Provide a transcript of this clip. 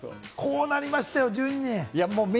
こうなりましたよ、順位。